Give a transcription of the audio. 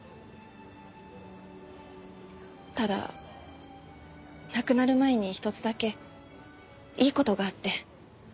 ただ亡くなる前に一つだけいい事があって。